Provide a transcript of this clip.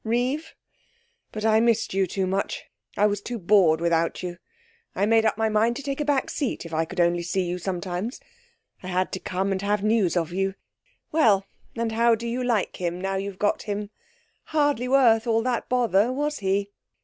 Reeve. But I missed you too much. I was too bored without you. I made up my mind to take a back seat, if only I could see you sometimes. I had to come and have news of you. Well, and how do you like him now you've got him? Hardly worth all that bother was he?'